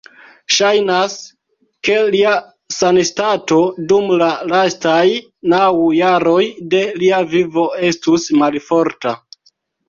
Ŝajnas, ke lia sanstato dum la lastaj naŭ jaroj de lia vivo estus malforta.